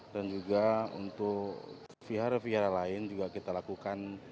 juga untuk vihara vihara lain juga kita lakukan